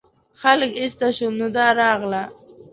خلک ایسته شول نو دا راغله.